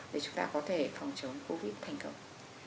để chúng ta có thể phòng chống covid thành công